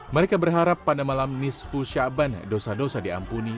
mereka berharap pada malam nisfu syakban dosa dosa diampuni